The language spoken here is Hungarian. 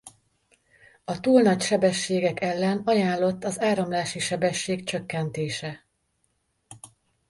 A túl nagy sebességek ellen ajánlott az áramlási sebesség csökkentése.